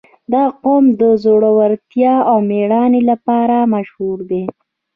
• دا قوم د زړورتیا او مېړانې لپاره مشهور دی.